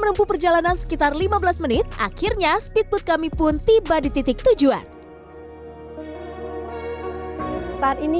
menempuh perjalanan sekitar lima belas menit akhirnya speedboat kami pun tiba di titik tujuan saat ini